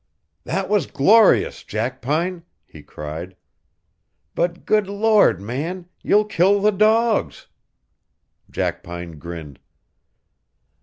"That was glorious, Jackpine!" he cried. "But, good Lord, man, you'll kill the dogs!" Jackpine grinned.